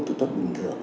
thực tất bình thường